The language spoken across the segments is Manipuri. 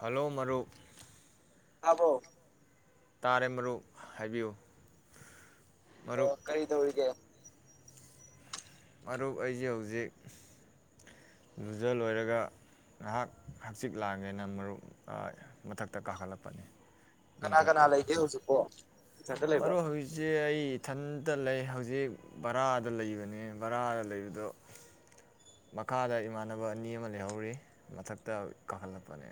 ꯍꯜꯂꯣ ꯃꯔꯨꯞ ꯑꯕꯣ ꯇꯥꯔꯦ ꯃꯔꯨꯞ ꯍꯥꯏꯕꯤꯌꯨ ꯃꯔꯨꯞ ꯑꯣ ꯀꯔꯤꯗꯧꯒ ꯃꯔꯨꯞ ꯑꯩꯁꯦ ꯍꯧꯖꯤꯛ ꯂꯨꯖ ꯂꯣꯏꯔꯒ ꯉꯍꯥꯛ ꯍꯛꯆꯤꯛ ꯂꯥꯡꯉꯦꯅ ꯃꯔꯨꯞ ꯃꯊꯛꯇ ꯀꯥꯈꯠꯂꯛꯄꯅꯤ ꯀꯅꯥ ꯀꯅꯥ ꯂꯥꯏꯗꯎ ꯆ ꯄꯣ ꯃꯔꯔ ꯍꯧꯁꯦ ꯑꯩ ꯏꯊꯟꯇ ꯂꯩ ꯍꯧꯖꯤꯛ ꯕꯔꯥꯗ ꯂꯩꯕꯅꯤ ꯕꯔꯥꯗ ꯂꯩꯕꯗꯨꯣ ꯃꯈꯥꯗ ꯏꯃꯥꯟꯅꯕ ꯑꯅꯤ ꯑꯃ ꯂꯩꯍꯧꯔꯤ ꯃꯊꯛꯇ ꯀꯥꯈꯠꯂꯛꯄꯅꯦ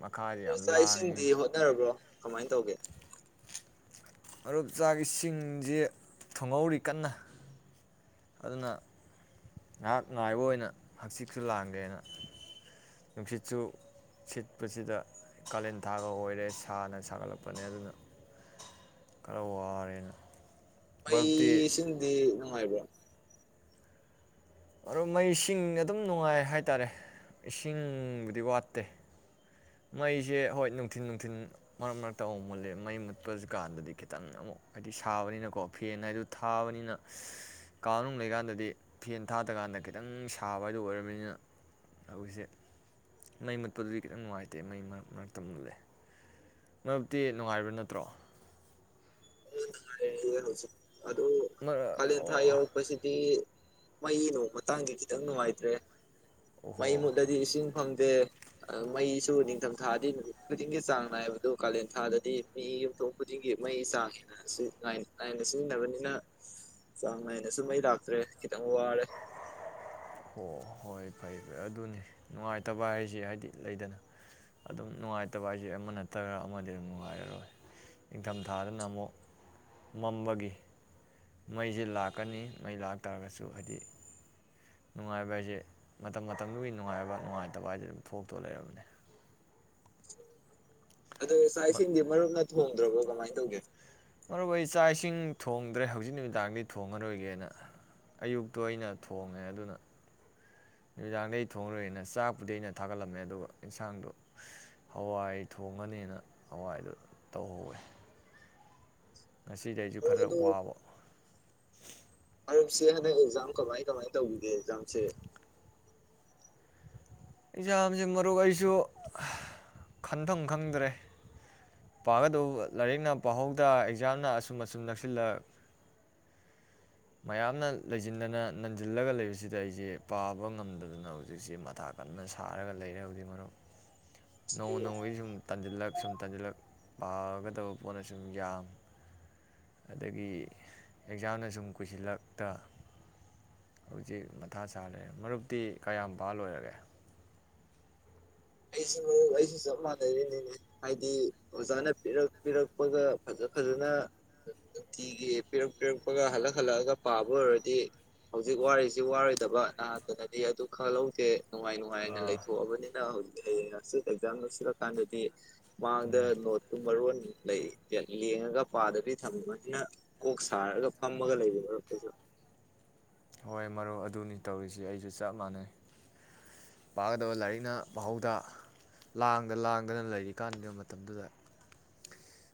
ꯃꯈꯥꯁꯦ ꯑꯣ ꯌꯥꯝ ꯆꯥꯛ ꯂꯥꯡꯉꯤ ꯏꯁꯤꯡꯗꯤ ꯍꯣꯠꯅꯔꯕ꯭ꯔꯣ ꯀꯃꯥꯏꯅ ꯇꯧꯒꯦ ꯃꯔꯨꯞ ꯆꯥꯒꯤ ꯁꯤꯡꯁꯦ ꯊꯨꯡꯍꯧꯔꯤ ꯀꯟꯅ ꯑꯗꯨꯅ ꯉꯥꯏꯍꯥꯛ ꯉꯥꯏꯕ ꯑꯣꯏꯅ ꯍꯛꯆꯤꯠꯁꯨ ꯂꯥꯡꯒꯦꯅ ꯅꯨꯡꯁꯤꯠꯁꯨ ꯁꯤꯠꯄꯁꯤꯗ ꯀꯥꯂꯦꯟ ꯊꯥꯒ ꯑꯣꯏꯔꯦ ꯁꯥꯅ ꯁꯥꯒꯠꯂꯛꯄꯅꯦ ꯑꯗꯨꯅ ꯈꯔ ꯋꯥꯔꯦꯅ ꯃꯔꯨꯞꯇꯤ ꯑꯩꯩ ꯁꯤꯗꯤꯤ ꯍꯕ꯭ꯔꯣ ꯑꯣ ꯃꯩꯁꯤꯡ ꯑꯗꯨꯝ ꯅꯨꯡꯉꯥꯏ ꯍꯥꯏꯇꯥꯔꯦ ꯏꯁꯤꯡꯕꯨꯗꯤ ꯋꯥꯠꯇꯦ ꯃꯩꯁꯦ ꯍꯣꯏ ꯅꯨꯡꯊꯤꯟ ꯅꯨꯡꯊꯤꯟ ꯃꯔꯛ ꯃꯔꯛꯇ ꯑꯃꯨꯛ ꯃꯨꯠꯂꯦ ꯃꯩ ꯃꯨꯠꯄ ꯀꯥꯟꯗꯗꯤ ꯈꯤꯇꯪ ꯑꯃꯨꯛ ꯍꯥꯏꯗꯤ ꯁꯥꯕꯅꯤꯅꯀꯣ ꯐꯦꯟ ꯍꯥꯏꯗꯨ ꯊꯥꯕꯅꯤꯅ ꯀꯥꯅꯨꯡ ꯂꯩꯀꯥꯟꯗꯗꯤ ꯐꯦꯟ ꯊꯥꯗꯀꯥꯟꯗ ꯈꯤꯇꯪ ꯁꯥꯕ ꯍꯥꯏꯗꯨ ꯑꯣꯏꯔꯕꯅꯤꯅ ꯍꯧꯖꯤꯁꯦ ꯃꯩ ꯃꯨꯠꯄꯗꯨꯗꯤ ꯈꯤꯇꯪ ꯅꯨꯡꯉꯥꯏꯇꯦ ꯦ ꯃꯩ ꯃꯔꯛ ꯃꯔꯛꯇꯂꯦ ꯃꯔꯛꯇꯤ ꯅꯨꯡꯉꯥꯏꯕ ꯅꯠꯇ꯭ꯔꯣ ꯐꯔꯦ ꯌꯦ ꯍꯧꯁꯤ ꯑꯗꯨꯗ ꯃꯔ ꯀꯂ ꯊꯥꯏ ꯑꯣ ꯌꯎꯛ ꯄꯁꯤꯗꯤꯤ ꯃꯩꯗꯣ ꯃꯇꯥꯡꯗꯤ ꯈꯤꯇꯪ ꯅꯨꯡꯉꯥꯏꯇ꯭ꯔꯦ ꯃꯩ ꯑꯣꯍꯣ ꯃꯨꯠꯇꯗꯤ ꯏꯁꯤꯡ ꯐꯪꯗꯦ ꯃꯩꯁꯨ ꯅꯤꯡꯊꯝꯊꯥꯗꯤ ꯅꯨꯃꯤꯠ ꯈꯨꯗꯤꯡꯒꯤ ꯆꯥꯡ ꯅꯥꯏꯕꯗꯨ ꯀꯥꯂꯦꯟ ꯊꯥꯗꯗꯤ ꯃꯤ ꯌꯨꯝꯊꯣꯡ ꯈꯨꯗꯤꯡꯒꯤ ꯃꯩ ꯆꯥꯡꯉ ꯅꯥꯏꯅ ꯁꯤꯖꯤꯟꯅꯕꯅꯤꯅ ꯆꯥꯡ ꯅꯥꯏꯅꯁꯨ ꯃꯩ ꯂꯥꯛꯇ꯭ꯔꯦ ꯈꯤꯇꯪ ꯋꯥꯔꯦ ꯑꯣ ꯍꯣꯏ ꯐꯩ ꯐꯔꯦ ꯑꯗꯨꯅꯤ ꯅꯨꯡꯉꯥꯏꯇꯕ ꯍꯥꯏꯁꯦ ꯍꯥꯏꯗꯤ ꯂꯩꯗꯅ ꯑꯗꯨꯝ ꯅꯨꯡꯉꯥꯏꯇꯕ ꯍꯥꯏꯁꯦ ꯑꯃ ꯅꯠꯇꯒ ꯑꯃꯗꯤ ꯑꯗꯨꯝ ꯅꯨꯡꯉꯥꯏꯔꯔꯣꯏ ꯅꯤꯡꯪꯊꯝꯊꯥꯗꯅ ꯑꯃꯨꯛ ꯃꯝꯕꯒꯤ ꯃꯩꯁꯦ ꯂꯥꯛꯀꯅꯤ ꯃꯩ ꯂꯥꯛꯇꯥꯥꯔꯒꯁꯨ ꯍꯥꯏꯗꯤ ꯅꯨꯡꯉꯥꯏꯕ ꯍꯥꯏꯁꯦ ꯃꯇꯝ ꯃꯇꯝꯗꯨꯒꯤ ꯅꯨꯡꯉꯥꯏꯕ ꯅꯨꯡꯉꯥꯏꯇꯕ ꯍꯥꯏꯁꯦ ꯑꯗꯨꯝ ꯊꯣꯛꯇꯣ ꯂꯩꯔꯕꯅꯤ [unintelligible] ꯑꯣ ꯆꯥꯛ ꯏꯁꯤꯡ ꯃꯔꯨꯞ ꯐꯣꯡꯗ꯭ꯔꯕꯣ ꯀꯃꯥꯏꯅ ꯇꯧꯒꯦ ꯃꯔꯨ ꯑꯩ ꯆꯥꯛ ꯏꯁꯤꯡ ꯊꯣꯡꯗ꯭ꯔꯦ ꯍꯧꯖꯤꯛ ꯅꯨꯃꯤꯗꯥꯡꯗꯤ ꯊꯣꯡꯉꯔꯣꯏꯒꯦꯅ ꯑꯌꯨꯛꯇꯣ ꯑꯩꯅ ꯊꯣꯡꯉꯦ ꯑꯗꯨꯅ ꯅꯨꯃꯤꯗꯥꯡꯗ ꯑꯩ ꯊꯣꯡꯉꯔꯣꯏꯦꯅ ꯆꯥꯛꯄꯨꯗꯤ ꯑꯩꯅ ꯊꯥꯒꯠꯂꯝꯃꯦ ꯑꯗꯨꯒ ꯏꯟꯁꯥꯡꯗꯣ ꯍꯋꯥꯏ ꯊꯣꯡꯉꯅꯤꯅ ꯍꯋꯥꯏꯗꯨꯣ ꯇꯧꯍꯧꯋꯦ ꯉꯁꯤꯗ ꯑꯩꯁꯨ ꯃꯔꯨꯞ ꯈꯔ ꯑꯗꯨ ꯋꯥꯕ ꯃꯔꯛꯁꯤ ꯍꯟꯗꯛ ꯑꯦꯛꯖꯥꯝ ꯀꯃꯥꯏ ꯀꯃꯥꯏꯅ ꯇꯧꯕꯤꯒꯦ ꯑꯦꯛꯖꯥꯝꯁꯦ ꯑꯦꯛꯖꯥꯝꯁꯦ ꯃꯔꯨꯞ ꯑꯩꯁꯨ ꯈꯟꯐꯝ ꯈꯪꯗ꯭ꯔꯦ ꯄꯥꯒꯗꯧꯕ ꯂꯥꯏꯔꯤꯛꯅ ꯄꯥꯍꯧꯗ ꯑꯦꯛꯖꯥꯝꯅ ꯑꯁꯨꯝ ꯑꯁꯨꯝ ꯅꯛꯁꯤꯜꯂꯒ ꯃꯌꯥꯝꯅ ꯂꯩꯁꯤꯟꯗꯅ ꯅꯟꯁꯤꯜꯂꯒ ꯂꯩꯕꯁꯤꯗ ꯑꯩꯁꯦ ꯄꯥꯕ ꯉꯝꯗꯗꯅ ꯍꯧꯖꯤꯛꯁꯦ ꯃꯊꯥ ꯀꯟꯅ ꯁꯥꯔꯒ ꯂꯩꯔꯦ ꯍꯧꯗꯤ ꯃꯔꯨꯞ ꯅꯣꯡꯃ ꯅꯣꯡꯃꯩ ꯁꯨꯝ ꯇꯟꯁꯤꯜꯂꯛ ꯁꯨꯝ ꯇꯟꯁꯤꯜꯂꯛ ꯄꯥꯒꯗꯕ ꯄꯣꯠꯅ ꯁꯨꯝ ꯌꯥꯝ ꯑꯗꯒꯤ ꯑꯦꯛꯖꯥꯝꯅ ꯁꯨꯝ ꯀꯨꯁꯤꯜꯂꯛꯇ ꯍꯧꯖꯤꯛ ꯃꯊꯥ ꯁꯥ ꯂꯩꯔꯦ ꯃꯔꯨꯞꯇꯤ ꯀꯌꯥꯝ ꯐꯥ ꯂꯣꯏꯔꯒꯦ ꯑꯩꯁꯨ ꯑꯩꯁꯨ ꯆꯞ ꯃꯥꯟꯅꯔꯤꯅꯤꯅꯦ ꯍꯥꯏꯗꯤ ꯑꯣꯖꯥꯅ ꯄꯤꯔꯛ ꯄꯤꯔꯛꯄꯒ ꯐꯖ ꯐꯖꯅ ꯅꯨꯡꯇꯤꯒꯤ ꯄꯤꯔꯛ ꯄꯤꯔꯛꯄꯒ ꯍꯜꯂꯛ ꯍꯜꯂꯛꯑꯒ ꯄꯥꯕ ꯑꯣꯏꯔꯗꯤ ꯍꯧꯖꯤꯛ ꯋꯥꯔꯤꯁꯤ ꯋꯥꯔꯣꯏꯗꯕ ꯅꯍꯥꯟꯇꯅꯗꯤ ꯑꯗꯨ ꯈꯪꯍꯧꯗꯦ ꯅꯨꯡꯉꯥꯏ ꯅꯨꯡꯉꯥꯏꯅ ꯑꯥ ꯂꯩꯊꯣꯛꯑꯕꯅꯤꯅ ꯍꯧꯖꯤꯛ ꯍꯌꯦꯡꯁꯤ ꯑꯦꯛꯖꯥꯝꯗꯁꯤꯜꯂꯀꯥꯟꯗꯗꯤ ꯃꯥꯡꯗ ꯎꯝ ꯅꯣꯠꯇꯨ ꯃꯔꯣꯟ ꯂꯩ ꯌꯦꯡꯉꯒ ꯄꯥꯗꯕꯤ ꯊꯝꯃꯅꯤꯅ ꯀꯣꯛ ꯁꯥꯔꯒ ꯐꯝꯃꯒ ꯂꯩꯕꯣ ꯀꯁꯨ ꯍꯣꯏ ꯃꯔꯨꯞ ꯑꯗꯨꯅꯤ ꯇꯧꯔꯤꯁꯤꯦ ꯑꯩꯁꯨ ꯆꯞ ꯃꯥꯟꯅꯩ ꯄꯥꯒꯗꯕ ꯂꯥꯏꯔꯤꯛꯅ ꯃꯍꯧꯗ ꯂꯥꯡꯗ ꯂꯥꯡꯗꯅ ꯂꯩꯔꯤ ꯀꯥꯟꯗꯕ ꯃꯇꯝꯗꯨꯗ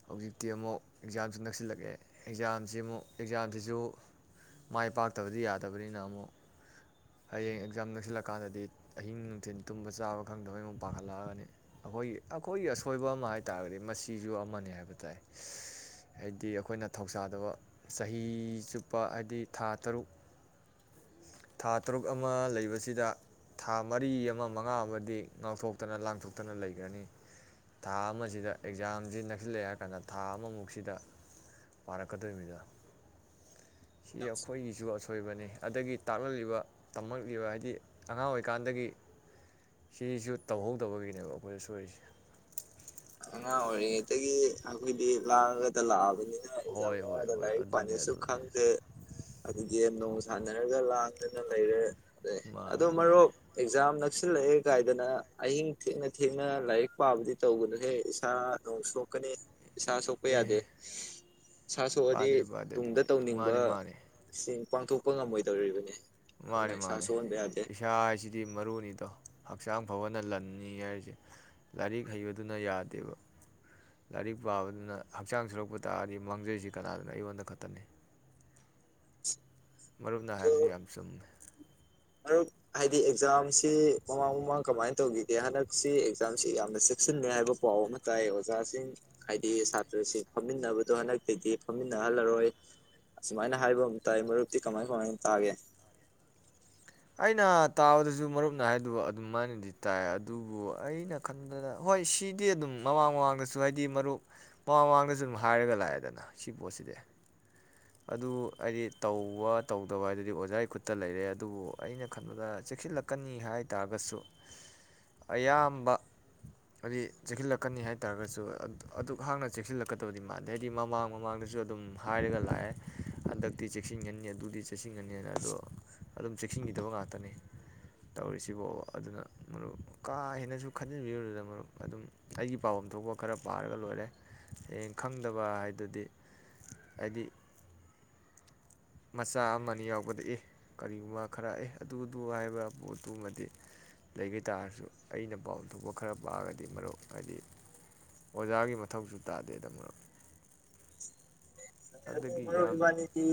ꯍꯧꯖꯤꯛꯇꯤ ꯑꯃꯨꯛ ꯑꯦꯛꯖꯥꯝꯁꯨ ꯅꯛꯁꯤꯜꯂꯛꯑꯦ ꯑꯦꯛꯖꯥꯝꯁꯤ ꯑꯃꯨꯛ ꯑꯦꯛꯖꯥꯝꯁꯤꯁꯨ ꯃꯥꯏ ꯄꯥꯛꯇꯕꯗꯤ ꯌꯥꯗꯕꯅꯤꯅ ꯑꯃꯨꯛ ꯍꯌꯦꯡ ꯑꯦꯛꯖꯥꯝ ꯅꯛꯁꯤꯜꯂꯛꯀꯥꯟꯗꯗꯤ ꯑꯍꯤꯡ ꯅꯨꯡꯊꯤꯟꯜ ꯇꯨꯝꯕ ꯆꯥꯕ ꯈꯪꯗꯕꯩ ꯃꯨꯝꯛ ꯄꯥꯈꯠꯂꯛꯑꯒꯅꯤ ꯑꯩꯈꯣꯏꯒꯤ ꯑꯩꯈꯣꯏꯒꯤ ꯑꯁꯣꯏꯕ ꯑꯃ ꯍꯥꯏ ꯇꯥꯔꯒꯗꯤ ꯃꯁꯤꯁꯨ ꯑꯃꯅꯦ ꯍꯥꯏꯕ ꯇꯥꯏ ꯍꯥꯏꯗꯤ ꯑꯩꯈꯣꯏꯅ ꯊꯧꯁꯥꯗꯕ ꯆꯍꯤ ꯆꯨꯞꯄ ꯍꯥꯏꯗꯤ ꯊꯥ ꯇꯔꯨꯛ ꯊꯥ ꯇꯔꯨꯛ ꯑꯃ ꯂꯩꯕꯁꯤꯗ ꯊꯥ ꯃꯔꯤ ꯑꯃ ꯃꯉꯥ ꯑꯃꯗꯤ ꯉꯥꯎꯊꯣꯛꯇꯅ ꯂꯥꯡꯊꯣꯛꯇꯅ ꯂꯩꯈ꯭ꯔꯅꯤ ꯊꯥ ꯑꯃꯁꯤꯗ ꯑꯦꯛꯖꯥꯝꯁꯤ ꯅꯛꯁꯤꯜꯂꯛꯑꯦ ꯍꯥꯏꯔ ꯀꯥꯟꯗ ꯊꯥ ꯑꯃꯃꯨꯛꯁꯤꯗ ꯄꯥꯔꯛꯀꯗꯣꯏꯅꯤꯗ ꯁꯤ ꯑꯩꯈꯣꯏꯒꯤꯁꯨ ꯑꯁꯣꯏꯕꯅꯤ ꯑꯗꯒꯤ ꯇꯥꯛꯅꯂꯤꯕ ꯇꯝꯃꯛꯂꯤꯕ ꯍꯥꯏꯗꯤ ꯑꯉꯥꯡ ꯑꯣꯏꯀꯥꯟꯗꯒꯤ ꯁꯤꯁꯨ ꯇꯧꯍꯧꯗꯕꯒꯤꯅꯦꯕ ꯑꯩꯈꯣꯏꯗ ꯁꯣꯏꯔꯤꯁꯦ ꯑꯉꯥꯡ ꯑꯣꯏꯔꯤꯉꯩꯒꯤ ꯑꯩꯈꯣꯏꯗꯤ ꯂꯥꯛꯑꯒꯗ ꯂꯥꯛꯑꯕꯅꯤ ꯑꯩꯅ ꯑꯦꯛꯖꯥꯝ ꯍꯣꯏ ꯍꯣꯏ ꯃꯌꯥꯗ ꯍꯣꯏ ꯂꯥꯏꯔꯤꯛ ꯑꯗꯨꯅꯦ ꯄꯥꯅꯁꯨ ꯑꯗꯨꯅꯦ ꯈꯪꯗꯦ ꯑꯗꯨꯗꯒꯤ ꯅꯣꯡ ꯁꯥꯟꯅꯔꯒ ꯂꯥꯡ ꯂꯩ ꯂꯩꯦ ꯑꯗ ꯑꯗꯨꯗꯣ ꯃꯥꯅꯤ ꯃꯥꯅꯤ ꯃꯔꯨꯞ ꯑꯦꯛꯖꯥꯝ ꯅ ꯀꯛꯁꯤꯜꯂꯛꯑꯦ ꯀꯥꯏꯗꯅ ꯑꯍꯤꯡ ꯊꯦꯡꯅ ꯊꯦꯡꯅ ꯂꯥꯏꯔꯤꯛ ꯄꯥꯕꯗꯤ ꯇꯧꯒꯅꯨ ꯁ ꯅ ꯁꯣ ꯀꯅꯦ ꯏꯁ ꯁꯣꯛꯄ ꯌꯥꯗꯦ ꯑꯦꯍꯦ ꯏꯁ ꯁꯣꯛꯑꯗꯤ ꯄꯥꯗꯦ ꯄꯥꯗꯦ ꯇꯨꯡꯗ ꯑꯗꯨꯗꯤ ꯃꯥꯅꯤ ꯃꯥꯅꯤ ꯇꯧꯅꯤꯡꯕꯁꯤꯡ ꯄꯥꯡꯊꯣꯛ ꯄꯣꯛꯄ ꯉꯝꯃꯣꯏꯗꯧꯔꯤꯕꯅꯤ ꯑꯗꯨꯅ ꯃꯥꯅꯦ ꯏꯁꯥ ꯃꯥꯅꯦ ꯁꯣꯛꯍꯟꯕ ꯌꯥꯗꯦ ꯏꯁꯥꯁꯤꯗꯤ ꯃꯔꯨꯅꯤꯗꯣ ꯍꯛꯆꯥꯡ ꯐꯕꯅ ꯂꯟꯅꯤ ꯍꯥꯏꯔꯤꯁꯦ ꯂꯥꯏꯔꯤꯛ ꯍꯩꯕꯗꯨꯅ ꯌꯥꯗꯦꯕ ꯂꯥꯏꯔꯤꯛ ꯄꯥꯕꯗꯨꯅ ꯍꯛꯆꯥꯡ ꯁꯨꯔꯛꯄ ꯇꯥꯔꯗꯤ ꯃꯥꯡꯖꯩꯁꯤ ꯀꯅꯥꯗꯅ ꯑꯩꯉꯣꯟꯗ ꯈꯛꯇꯅꯤ ꯃꯔꯨꯞ ꯑꯣꯏꯅ ꯍꯥꯏꯕꯁꯤ ꯌꯥꯝ ꯆꯨꯝꯃꯦ ꯃꯔ ꯍꯥꯏꯗꯤ ꯑꯦꯛꯖꯥꯝ ꯃꯃꯥ ꯃꯃꯥ ꯀꯃꯥꯏ ꯇꯧꯈꯤꯗꯦ ꯍꯟꯗꯛꯁꯤ ꯑꯦꯛꯖꯥꯝꯁꯤ ꯌꯥꯝꯅ ꯆꯦꯛꯁꯤꯟꯅꯦ ꯍꯥꯏꯕ ꯄꯥꯎ ꯑꯃ ꯇꯥꯏ ꯑꯣꯖꯥꯁꯤꯡ ꯍꯥꯏꯗꯤ ꯁꯥꯇ꯭ꯔꯁꯤ ꯐꯝꯃꯤꯟꯅꯕꯗꯣ ꯍꯟꯗꯛꯇꯗꯤ ꯐꯝꯃꯤꯟꯅꯍꯜꯂꯔꯣꯏ ꯑꯁꯨꯃꯥꯏꯅ ꯍꯥꯏꯕ ꯑꯃ ꯇꯥꯏ ꯃꯔꯨꯞꯇꯤ ꯀꯃꯥꯏ ꯀꯃꯥꯏꯅ ꯇꯥꯒꯦ ꯑꯩꯅ ꯇꯥꯕꯗꯁꯨ ꯃꯔꯨꯞꯅ ꯍꯥꯏꯗꯨꯕ ꯑꯗꯨꯝ ꯃꯥꯏꯅꯗꯤ ꯇꯥꯏ ꯑꯗꯨꯕꯨ ꯑꯩꯅ ꯈꯟꯕꯅ ꯍꯣꯏ ꯁꯤꯗꯤ ꯑꯗꯨꯝ ꯃꯃꯥꯡ ꯃꯃꯥꯡꯗꯁꯨ ꯍꯥꯏꯗꯤ ꯃꯔꯨꯞ ꯃꯃꯥꯡ ꯃꯃꯥꯡꯗꯁꯨ ꯑꯗꯨꯝ ꯍꯥꯏꯔꯒ ꯂꯥꯛꯑꯦꯗꯅ ꯁꯤ ꯄꯣꯠꯁꯤꯗꯤ ꯑꯗꯨ ꯍꯥꯏꯗꯤ ꯇꯧꯕ ꯇꯧꯗꯕ ꯍꯥꯏꯗꯨꯗꯤ ꯑꯣꯖꯥꯒꯤ ꯈꯨꯠꯇ ꯂꯩꯔꯦ ꯑꯗꯨꯕꯨ ꯑꯩꯅ ꯈꯟꯕꯗ ꯆꯦꯛꯁꯤꯜꯂꯛꯀꯅꯤ ꯍꯥꯏ ꯇꯥꯔꯒꯁꯨ ꯑꯌꯥꯝꯕ ꯍꯥꯏꯗꯤ ꯆꯦꯛꯁꯤꯜꯂꯛꯀꯅꯤ ꯍꯥꯏ ꯇꯥꯔꯒꯁꯨ ꯑꯗꯨꯛ ꯍꯥꯛꯅ ꯆꯦꯛꯁꯤꯜꯂꯛꯀꯗꯕꯗꯤ ꯃꯥꯟꯗꯦ ꯍꯥꯏꯗꯤ ꯃꯃꯥꯡ ꯃꯃꯥꯡꯗꯁꯨ ꯑꯗꯨꯝ ꯍꯥꯏꯔꯒ ꯂꯥꯛꯑꯦ ꯍꯟꯗꯛꯇꯤ ꯆꯦꯛꯁꯤꯟꯒꯅꯤ ꯑꯗꯨꯗꯤ ꯆꯦꯛꯁꯤꯟꯒꯅꯤꯅ ꯑꯗꯣ ꯑꯗꯨꯝ ꯆꯦꯛꯁꯤꯟꯈꯤꯗꯕ ꯉꯥꯛꯇꯅꯤ ꯇꯧꯔꯤꯁꯤꯕꯥꯎ ꯑꯗꯨꯅ ꯃꯔꯨꯞ ꯀꯥ ꯍꯦꯟꯅꯁꯨ ꯈꯟꯖꯤꯟꯕꯤꯔꯨꯗꯨꯅ ꯃꯔꯨꯞ ꯑꯗꯨꯝ ꯑꯩꯒꯤ ꯄꯥꯐꯝ ꯊꯣꯛꯄ ꯈꯔ ꯄꯥꯔꯒ ꯂꯣꯏꯔꯦ ꯍꯌꯦꯡ ꯈꯪꯗꯕ ꯍꯥꯏꯗꯨꯗꯤ ꯍꯥꯏꯗꯤ ꯃꯆꯥ ꯑꯃ ꯌꯥꯎꯕꯗ ꯑꯦ ꯀꯔꯤꯒꯨꯝꯕ ꯈꯔ ꯑꯦ ꯑꯗꯨꯗꯨ ꯍꯥꯏꯕ ꯄꯣꯠꯇꯨꯃꯗꯤ ꯂꯩꯒꯦ ꯇꯥꯔꯁꯨ ꯑꯩꯅ ꯄꯥꯎ ꯊꯣꯛꯄ ꯈꯔ ꯄꯥꯑꯒꯗꯤ ꯃꯔꯨꯞ ꯍꯥꯏꯗꯤ ꯑꯣꯖꯥꯒꯤ ꯃꯊꯧꯁꯨ ꯇꯥꯗꯦꯗ ꯃꯔꯨꯞ ꯑꯗꯨ ꯑꯗꯒꯤ ꯃꯔ ꯌꯥꯝ ꯏꯕꯥꯅꯤꯤ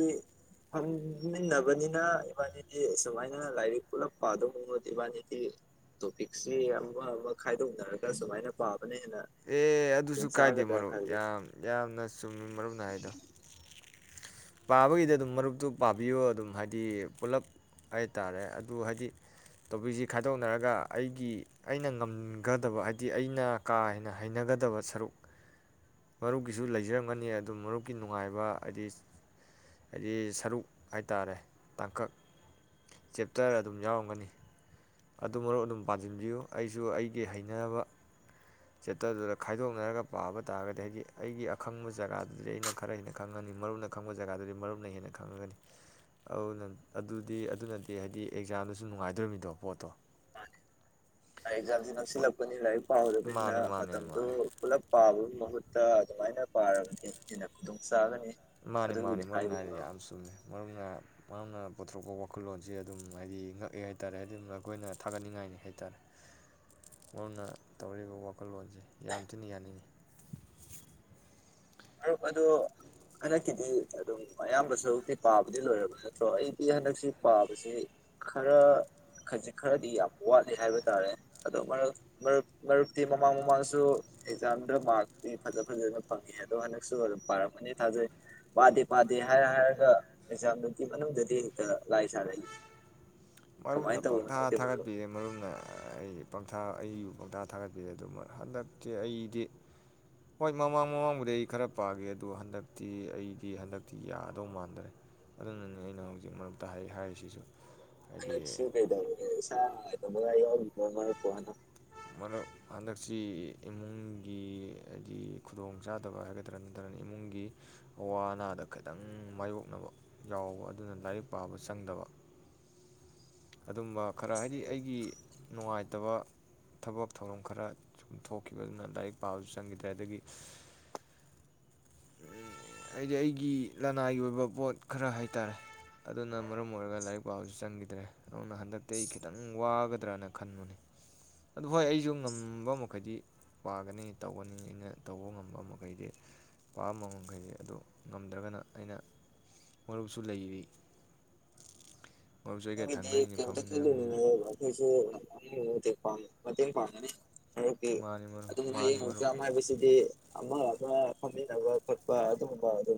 ꯐꯝꯃꯤꯟꯅꯕꯅꯤꯅ ꯏꯕꯥꯅꯤꯗꯤ ꯁꯨꯃꯥꯏꯅ ꯂꯥꯏꯔꯤꯛ ꯄꯨꯂꯞ ꯄꯥꯗꯧ ꯃꯉꯨꯠ ꯏꯕꯥꯅꯤꯗꯤ ꯇꯣꯄꯤꯛꯁꯤ ꯑꯃ ꯑꯃ ꯈꯥꯏꯗꯣꯛꯅꯔꯒ ꯁꯨꯃꯥꯏꯅ ꯄꯥꯕ ꯑꯦ ꯑꯗꯨꯁꯨ ꯀꯥꯏꯗꯦ ꯃꯔꯨꯞ ꯈꯜꯂꯦ ꯌꯥꯝ ꯌꯥꯝꯅ ꯆꯨꯝꯃꯤ ꯃꯔꯨꯞꯅꯥ ꯍꯥꯏꯗꯣ ꯄꯥꯕꯒꯤꯗꯤ ꯑꯗꯨꯝ ꯃꯔꯨꯞꯇꯨ ꯄꯥꯕꯤꯌꯣ ꯑꯗꯨꯝ ꯍꯥꯏꯗꯤ ꯄꯨꯂꯞ ꯍꯥꯏ ꯇꯥꯔꯦ ꯑꯗꯨ ꯍꯥꯏꯗꯤ ꯇꯣꯄꯤꯛꯁꯤ ꯈꯥꯏꯗꯣꯛꯅꯔꯒ ꯑꯩꯒꯤ ꯑꯩꯅ ꯉꯝꯒꯗꯕ ꯍꯥꯏꯗꯤ ꯑꯩꯅ ꯀꯥ ꯍꯦꯟꯅ ꯍꯩꯅꯒꯗꯕ ꯁꯔꯨꯛ ꯃꯔꯨꯞꯀꯤꯁꯨ ꯂꯩꯖꯔꯝꯒꯅꯤ ꯑꯗꯨ ꯃꯔꯨꯞꯀꯤ ꯅꯨꯡꯉꯥꯏꯕ ꯍꯥꯏꯗꯤ ꯍꯥꯏꯗꯤ ꯁꯔꯨꯛ ꯍꯥꯏꯇꯥꯥꯔꯦ ꯇꯥꯡꯀꯛ ꯆꯦꯞꯇꯔ ꯑꯗꯨꯝ ꯌꯥꯎꯔꯝꯒꯅꯤ ꯑꯗꯨ ꯃꯔꯨꯞ ꯑꯗꯨꯝ ꯄꯥꯟꯁꯤꯟꯕꯤꯌꯨ ꯑꯩꯁꯨ ꯑꯩꯒꯤ ꯍꯩꯅꯔꯕ ꯆꯦꯞꯇꯔꯗꯨꯗ ꯈꯥꯏꯗꯣꯛꯅꯔꯒ ꯄꯥꯕ ꯇꯥꯔꯒꯗꯤ ꯍꯥꯏꯗꯤ ꯑꯩꯒꯤ ꯑꯈꯪꯕ ꯖꯒꯥꯗꯨꯗꯤ ꯑꯩꯅ ꯈꯔ ꯍꯦꯟꯅ ꯈꯪꯉꯅꯤ ꯃꯔꯨꯞꯅ ꯈꯪꯕ ꯖꯒꯥꯗꯨꯗꯤ ꯃꯔꯨꯞꯅ ꯍꯦꯟꯅ ꯈꯪꯉꯒꯅꯤ ꯑꯗꯨꯅ ꯑꯗꯨꯗꯤ ꯑꯗꯨꯅꯗꯤ ꯍꯥꯏꯗꯤ ꯑꯦꯛꯖꯥꯝꯗꯁꯨ ꯅꯨꯡꯉꯥꯏꯗꯣꯃꯤꯗꯣ ꯄꯣꯠ ꯇꯣ ꯑꯦꯛꯖꯥꯝꯁꯤ ꯅꯛꯁꯤꯜꯂꯛꯄꯅꯤ ꯂꯥꯏꯔꯤꯛ ꯄꯥꯍꯗꯕꯅꯤꯅ ꯃꯥꯅꯦ ꯃꯥꯅꯦ ꯃꯇꯝꯗꯨ ꯃꯥꯅꯦ ꯄꯨꯂꯞ ꯄꯥꯕꯒꯤ ꯃꯍꯨꯠ ꯇꯥ ꯑꯗꯨꯃꯥꯏꯅ ꯄꯥꯔꯒꯗꯤ ꯑꯦꯟꯅ ꯈꯨꯗꯣꯡ ꯆꯥꯒꯅꯤ ꯃꯥꯅꯤ ꯃꯥꯅꯤ ꯑꯗꯨꯒꯤꯗꯤ ꯃꯔꯝꯅ ꯍꯥꯏꯕꯅꯤ ꯍꯥꯏꯔꯗꯤ ꯃꯔꯨꯞ ꯌꯥꯝ ꯆꯨꯝꯃꯦ ꯃꯔꯝꯅ ꯃꯔꯝꯅ ꯄꯨꯊꯣꯔꯛꯄ ꯋꯥꯈꯜꯂꯣꯟꯁ ꯑꯗꯨꯝ ꯍꯥꯏꯗꯤ ꯉꯛꯑꯦ ꯍꯥꯏꯇꯥꯔꯦ ꯍꯥꯏꯗꯤ ꯑꯩꯈꯣꯏꯅ ꯊꯥꯒꯠꯅꯤꯡꯉꯥꯏꯅꯤ ꯍꯥꯏꯇꯥꯔꯦ ꯃꯔꯝꯅ ꯇꯧꯔꯤꯕ ꯋꯥꯈꯜꯂꯣꯟꯁꯦ ꯌꯥꯝ ꯊꯤꯅ ꯌꯥꯅꯤꯡꯉꯤ ꯃꯔꯨꯞ ꯑꯗꯣ ꯍꯟꯗꯛꯀꯤꯗꯤ ꯑꯗꯨꯝ ꯑꯌꯥꯝꯕ ꯁꯔꯨꯛꯇꯤ ꯄꯥꯕꯗꯤ ꯂꯣꯏꯔꯕ ꯅꯠꯇ꯭ꯔꯣ ꯑꯩꯗꯤ ꯍꯟꯗꯛꯁꯤ ꯄꯥꯕꯁꯤ ꯈꯔ ꯈꯖꯤꯛ ꯈꯔꯗꯤ ꯌꯥꯝ ꯋꯥꯠꯂꯤ ꯍꯥꯏꯕ ꯇꯥꯔꯦ ꯑꯗꯣ ꯃꯔꯛ ꯃꯔꯨꯞ ꯃꯔꯨꯞꯇꯤ ꯃꯃꯥꯡ ꯃꯃꯥꯡꯁꯨ ꯑꯦꯛꯖꯥꯝꯗ ꯄꯥꯁꯇꯤ ꯐꯖ ꯐꯖꯅ ꯐꯪꯉꯤ ꯑꯗꯣ ꯍꯟꯗꯛꯁꯨ ꯑꯗꯨꯝ ꯄꯥꯔꯝꯃꯅꯤ ꯊꯥꯖꯩ ꯄꯥꯗꯦ ꯄꯥꯗꯦ ꯍꯥꯏꯔ ꯍꯥꯏꯔꯒ ꯑꯦꯛꯖꯥꯝꯗꯨꯒꯤ ꯃꯅꯨꯡꯗꯗꯤ ꯍꯦꯛꯇ ꯂꯥꯏ ꯁꯥꯔꯛꯏ ꯃꯔꯨꯝꯅ ꯀꯃꯥꯏꯅ ꯇꯧꯕꯅꯣ ꯄꯪꯊꯥ ꯈꯪꯗꯦ ꯃꯔꯨꯞ ꯊꯥꯒꯠꯄꯤꯔꯦ ꯃꯔꯨꯝꯅ ꯑꯩ ꯄꯪꯊꯥ ꯑꯩꯕꯨ ꯄꯪꯊꯥ ꯊꯥꯒꯠꯄꯤꯔꯦ ꯑꯗꯨ ꯍꯟꯗꯛꯇꯤ ꯑꯩꯗꯤ ꯍꯣꯏ ꯃꯃꯥꯡ ꯃꯃꯥꯡꯕꯨꯗꯤ ꯑꯩ ꯈꯔ ꯄꯥꯒꯦ ꯑꯗꯨ ꯍꯟꯗꯛꯇꯤ ꯑꯩꯗꯤ ꯍꯟꯗꯛꯇꯤ ꯌꯥꯗꯧ ꯃꯥꯟꯗ꯭ꯔꯦ ꯑꯗꯨꯅꯅꯤ ꯑꯩꯅ ꯍꯧꯖꯤꯛ ꯃꯔꯇ ꯍꯥꯏ ꯍꯥꯏꯔꯤꯁꯤꯁꯨ ꯑꯩꯅ ꯍꯥꯏꯗꯤ ꯁꯤ ꯀꯩꯗꯧꯔꯥꯒꯦ ꯁꯥ ꯇꯦꯕꯒꯥꯏ ꯌꯥꯎꯔꯤꯀꯣ ꯅꯣꯏ ꯀꯣꯟꯅꯥ ꯃꯔꯛ ꯍꯟꯗꯛꯁꯤ ꯏꯃꯨꯡꯒꯤ ꯍꯥꯏꯗꯤ ꯈꯨꯗꯣꯡ ꯆꯥꯗꯕ ꯍꯥꯏꯒꯗ꯭ꯔꯥ ꯅꯠꯇ꯭ꯔꯒꯅ ꯏꯃꯨꯡꯒꯤ ꯑꯋꯥ ꯑꯅꯥꯗ ꯈꯤꯇꯪ ꯃꯥꯥꯏꯌꯣꯛꯅꯕ ꯌꯥꯎꯕ ꯑꯗꯨꯅ ꯂꯥꯏꯔꯤꯛ ꯄꯥꯕ ꯆꯪꯗꯕ ꯑꯗꯨꯝꯕ ꯈꯔ ꯍꯥꯏꯗꯤ ꯑꯩꯒꯤ ꯅꯨꯡꯉꯥꯏꯇꯕ ꯊꯕꯛ ꯊꯧꯔꯝ ꯈꯔ ꯁꯨꯝ ꯊꯣꯛꯈꯤꯕꯗꯨꯅ ꯂꯥꯏꯔꯤꯛ ꯄꯥꯕꯁꯨ ꯆꯪꯈꯤꯗ꯭ꯔꯦ ꯑꯗꯒꯤ ꯍꯥꯏꯗꯤ ꯑꯩꯒꯤ ꯂꯅꯥꯏꯒꯤ ꯑꯣꯏꯕ ꯄꯣꯠ ꯈꯔ ꯍꯥꯏꯇꯥꯔꯦ ꯑꯗꯨꯅ ꯃꯔꯝ ꯑꯣꯏꯔꯒ ꯂꯥꯏꯔꯤꯛ ꯄꯥꯕꯁꯨ ꯆꯪꯈꯤꯗ꯭ꯔꯦ ꯑꯗꯨꯅ ꯍꯟꯗꯛꯇꯤ ꯑꯩ ꯈꯤꯇꯪ ꯋꯥꯒꯗ꯭ꯔꯅ ꯈꯟꯕꯅꯤ ꯑꯗꯨ ꯍꯣꯏ ꯑꯩꯁꯨ ꯉꯝꯕ ꯃꯈꯩꯗꯤ ꯄꯥꯒꯅꯤ ꯇꯧꯒꯅꯤ ꯑꯩꯅ ꯇꯧꯕ ꯉꯝꯕ ꯃꯈꯩꯗꯤ ꯄꯥꯝꯕ ꯃꯈꯩꯗꯤ ꯑꯗꯨ ꯉꯝꯗ꯭ꯔꯒꯅ ꯑꯩꯅ ꯃꯔꯨꯞꯁꯨ ꯂꯩꯔꯤ ꯃꯔꯨꯞꯁꯨ ꯑꯩꯒ ꯃꯔꯨꯞꯀꯤꯗꯤ ꯊꯪꯅꯔꯤꯅꯤ ꯀꯩꯝꯇ ꯐꯝꯃꯤꯟꯅꯔꯝꯅꯤꯅ ꯈꯜꯂꯨꯅꯨꯑꯣ ꯑꯩꯈꯣꯏꯁꯨ ꯑꯩ ꯂꯣꯏꯔ ꯃꯇꯦꯡ ꯄꯥꯡꯒꯅꯤ ꯃꯔꯨꯄꯀꯤ ꯃꯥꯅꯤ ꯃꯔꯨꯞ ꯑꯗꯨꯝ ꯃꯥꯅꯤ ꯍꯌꯦꯡ ꯃꯔꯨꯞ ꯑꯦꯛꯖꯥꯝ ꯍꯥꯏꯕꯁꯤꯗꯤ ꯑꯃ ꯂꯥꯛ ꯐꯣꯝꯃꯤꯟꯅꯕ ꯈꯣꯠꯄ ꯑꯗꯨꯒꯨꯝꯕ ꯑꯗꯨꯝ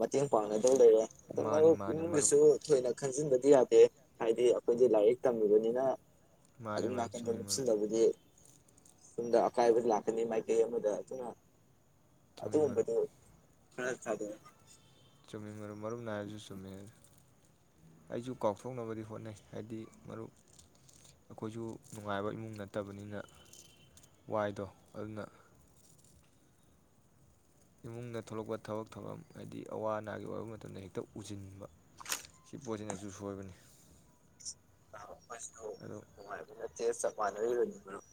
ꯃꯇꯦꯡ ꯄꯥꯡꯅ ꯅꯡ ꯂꯩꯔꯦ ꯑꯗꯨ ꯃꯥꯅꯤ ꯃꯔꯨꯞ ꯃꯥꯅꯤ ꯃꯔꯨꯞ ꯏꯃꯨꯡꯒꯤꯁꯨ ꯊꯣꯏꯅ ꯈꯪꯖꯤꯟꯕꯗꯤ ꯌꯥꯗꯦ ꯍꯥꯏꯗꯤ ꯑꯩꯈꯣꯏꯗꯤ ꯂꯥꯏꯔꯤꯛ ꯇꯝꯃꯤꯕꯅꯤꯅ ꯃꯥꯅꯤ ꯑꯗꯨꯝ ꯃꯥꯅꯤ ꯅꯥꯀꯟꯗꯣ ꯆꯨꯝꯃꯤ ꯃꯔꯨꯞ ꯂꯨꯞꯁꯤꯜꯂꯒꯗꯤ ꯁꯨꯝꯗ ꯑꯀꯥꯏꯕ ꯂꯥꯛꯀꯅꯤ ꯃꯥꯏꯀꯩ ꯑꯃꯗ ꯑꯗꯨꯅ ꯆꯨꯝꯃꯤ ꯃꯔꯨꯞ ꯑꯗꯨꯒꯨꯝꯕꯗꯣ ꯈꯔ ꯊꯥꯗ ꯆꯨꯝꯃꯤ ꯃꯔꯨꯞ ꯃꯔꯨꯞ ꯅꯥꯏꯔꯁꯨ ꯆꯨꯝꯃꯤ ꯑꯩꯁꯨ ꯀꯥꯎꯊꯣꯛꯅꯕꯗꯤ ꯍꯣꯠꯅꯩ ꯍꯥꯏꯗꯤ ꯃꯔꯨꯞ ꯑꯩꯈꯣꯏꯁꯨ ꯅꯨꯡꯉꯥꯏꯕ ꯏꯃꯨꯡ ꯅꯠꯇꯕꯅꯤꯅ ꯋꯥꯏꯗꯣ ꯑꯗꯨꯅ ꯏꯃꯨꯡꯗ ꯊꯣꯛꯂꯛꯄ ꯊꯕꯛ ꯊꯧꯔꯝ ꯍꯥꯏꯗꯤ ꯑꯋꯥ ꯑꯅꯥꯒꯤ ꯑꯣꯏꯕ ꯃꯇꯝꯗ ꯍꯦꯛꯇ ꯎꯁꯤꯟꯕ ꯁꯤ ꯄꯣꯠꯁꯤꯅꯁꯨ ꯁꯣꯏꯕꯅꯤ ꯑꯥꯥ ꯑꯩꯁꯨ ꯑꯗꯣ ꯅꯨꯉꯥꯏꯕꯥ ꯅꯠꯇꯦ ꯆꯞ ꯃꯅꯥꯔꯤꯕꯥ ꯃꯔꯨꯞ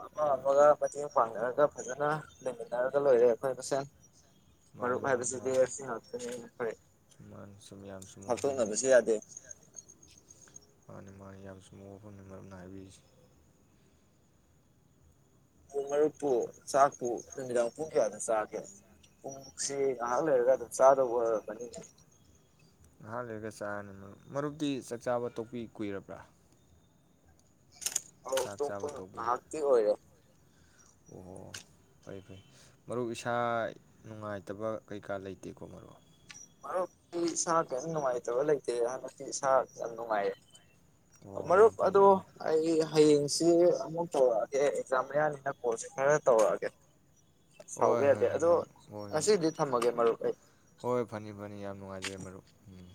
ꯑꯃ ꯑꯃꯒ ꯃꯇꯦꯡ ꯄꯥꯡꯅꯔꯒ ꯐꯖꯅ ꯂꯩꯃꯤꯟꯅꯔꯒ ꯂꯣꯏꯔꯦ ꯑꯩꯈꯣꯏ ꯃꯁꯦꯟ ꯃꯥꯅꯤ ꯃꯔꯨꯞ ꯍꯥꯏꯕꯁꯤꯗꯤ ꯃꯥꯅꯤ ꯑꯁꯤꯉꯥꯛꯇꯥꯅꯤ ꯃꯥꯅꯤ ꯁꯨꯝ ꯌꯥꯝ ꯍꯥꯇꯣꯛꯅꯕꯁꯨ ꯌꯥꯗꯦ ꯄꯅꯤ ꯃꯥꯅꯤ ꯌꯥꯝ ꯆꯨꯝꯕꯥ ꯋꯥꯐꯝꯅꯤ ꯃꯔꯨꯞꯅ ꯍꯨꯕꯤꯔꯤꯁꯤ ꯄꯨꯡ ꯃꯔꯨꯛꯄꯨ ꯆꯥꯛꯄꯨ ꯅꯨꯃꯤꯗꯥꯡ ꯄꯨꯡ ꯀꯌꯥꯗ ꯆꯥꯒꯦ ꯄꯨꯡꯁꯤ ꯉꯥꯏꯍꯥꯛ ꯂꯩꯔꯒ ꯑꯗꯨꯝ ꯆꯥꯗꯧꯕ ꯑꯣꯏꯔꯃꯕꯅꯤ ꯉꯥꯏꯍꯥꯛ ꯂꯩꯔꯒ ꯆꯥꯔꯅꯤ ꯃꯔꯨꯞ ꯃꯔꯨꯞꯇꯤ ꯆꯥꯛꯆꯥꯥꯕ ꯇꯣꯛꯄꯤ ꯀꯨꯏꯔꯕ꯭ꯔꯥ ꯑꯥꯎ ꯆꯥꯛ ꯇꯣꯀꯄꯥ ꯆꯥꯕ ꯇꯣꯛꯄꯁꯦ ꯉꯥꯏꯍꯥꯛꯇꯤ ꯑꯣꯏꯔꯦ ꯑꯣꯍꯣ ꯐꯩ ꯐꯩ ꯃꯔꯨꯞ ꯏꯁꯥ ꯅꯨꯡꯉꯥꯏꯇꯕ ꯀꯩꯀꯥ ꯂꯩꯇꯦꯀꯣ ꯃꯔꯨꯞ ꯃꯔꯨꯞ ꯑꯩ ꯏꯁꯥ ꯀꯩꯝ ꯅꯨꯡꯉꯥꯏꯇꯕ ꯂꯩ ꯇꯦꯗ [unintelligible] ꯁꯥ ꯌꯥꯝ ꯅꯨꯡꯉꯥꯏꯔꯦ ꯑꯣ ꯌꯥꯝ ꯃꯔꯨꯞ ꯐꯩ ꯑꯗꯣ ꯌꯥꯝ ꯐꯩ ꯑꯩ ꯍꯌꯦꯡꯁꯤ ꯑꯃꯨꯛ ꯇꯧꯔꯑꯛ ꯑꯦ ꯑꯦꯛꯖꯥꯝ ꯃꯥꯌꯥꯅꯤꯅ ꯀꯣꯜꯁꯦ ꯈꯔ ꯇꯧꯔꯛꯑꯒꯦ ꯍꯣꯏ ꯁꯥꯎꯕ ꯌꯥꯗꯦ ꯍꯣꯏ ꯍꯣꯏ ꯑꯗꯣ ꯃꯔꯨꯞ ꯍꯣꯏ ꯍꯣꯏ ꯉꯁꯤꯗꯤ ꯊꯝꯃꯒꯦ ꯃꯔꯨꯞ ꯑꯩ ꯍꯣꯏ ꯐꯅꯤ ꯐꯅꯤ ꯌꯥꯝ ꯅꯨꯡꯉꯥꯏ ꯔꯦ ꯃꯔꯨꯞ ꯎꯝ